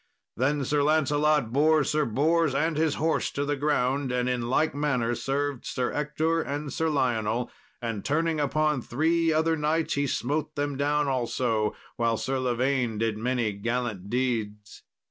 Then Sir Lancelot bore Sir Bors and his horse to the ground, and in like manner served Sir Ector and Sir Lionel; and turning upon three other knights he smote them down also; while Sir Lavaine did many gallant deeds.